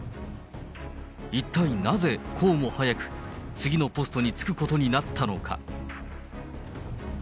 一体なぜ、こうも早く次のポストに就くことになったのか。